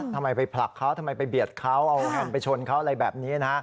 ทำไมไปผลักเขาทำไมไปเบียดเขาเอาแฮมไปชนเขาอะไรแบบนี้นะฮะ